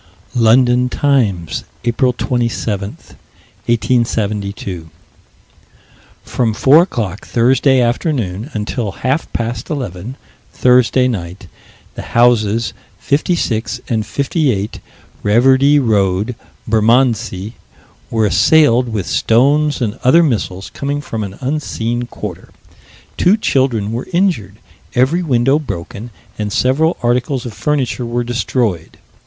London Times, April 27, 1872: "From 4 o'clock, Thursday afternoon, until half past eleven, Thursday night, the houses, 56 and 58 Reverdy Road, Bermondsey, were assailed with stones and other missiles coming from an unseen quarter. Two children were injured, every window broken, and several articles of furniture were destroyed.